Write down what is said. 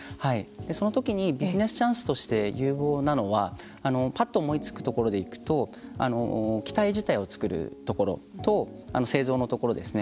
その時にビジネスチャンスとして有望なのはぱっと思いつくところで行くと機体自体を作るところと製造のところですね